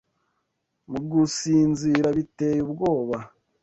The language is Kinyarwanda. Mu gusinzira biteye ubwoba